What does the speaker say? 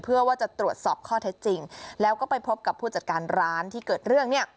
เพื่อว่าจะตรวจสอบข้อเท็จจริงแล้วก็ไปพบกับผู้จัดการร้านที่เกิดเรื่องเนี่ย